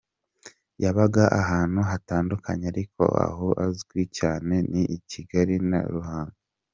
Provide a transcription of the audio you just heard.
Yabaga ahantu hatandukanye ariko aho azwi cyane ni Kigali na Ruhango.